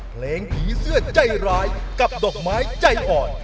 เพลงผีเสื้อใจร้ายกับดอกไม้ใจอ่อน